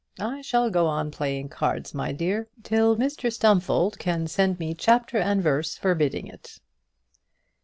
I shall go on playing cards, my dear, till Mr Stumfold can send me chapter and verse forbidding it."